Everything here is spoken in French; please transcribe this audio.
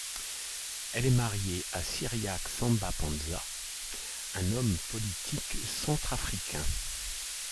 Elle est mariée à Cyriaque Samba-Panza, un homme politique centrafricain.